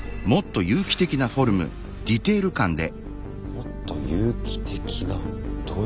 もっと有機的などういうこと？